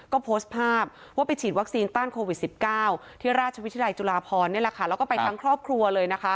ก็โพสต์ภาพว่าไปฉีดวัคซีนต้านโควิด๑๙ที่ราชวิทยาลัยจุฬาพรนี่แหละค่ะแล้วก็ไปทั้งครอบครัวเลยนะคะ